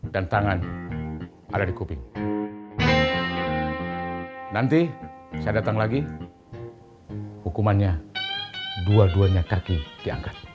dan tangan ada dikubing nanti saya datang lagi hukumannya dua duanya kaki diangkat